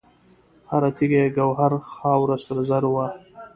هر تیږه یې ګوهر، خاوره سره زر وه